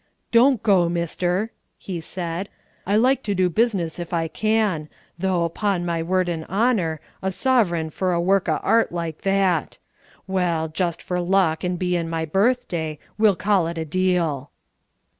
"Don't go, mister," he said; "I like to do business if I can; though, 'pon my word and honour, a sovereign for a work o' art like that! Well, just for luck and bein' my birthday, we'll call it a deal."